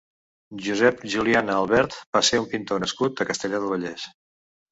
Josep Juliana Albert va ser un pintor nascut a Castellar del Vallès.